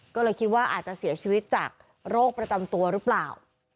ก็เลยคิดว่าอาจจะเสียชีวิตจากโรคประจำตัวหรือเปล่า